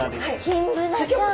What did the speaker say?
キンブナちゃん。